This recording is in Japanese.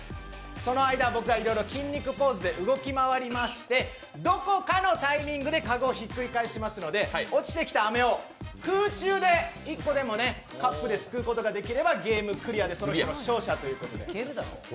その間、僕がいろいろ筋肉ポーズで動き回りますのでどこかのタイミングでかごをひっくり返しますので落ちてきたあめを空中で１個でもカップですくうことができればゲームクリアでその人が勝者ということです。